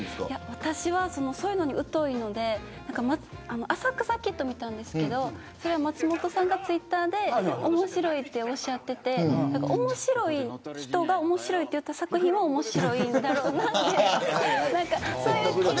私はそういうのに疎いので浅草キッド、見たんですけどそれは松本さんがツイッターで面白いっておっしゃってて面白い人が面白いって言った作品は面白いんだろうなってそういう基準。